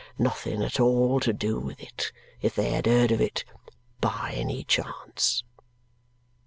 nothing at all to do with it if they had heard of it by any chance!"